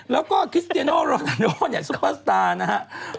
แล้วก็คริสเตียโนโรนาโน่เนี่ยซุปเปอร์สตาร์นะครับ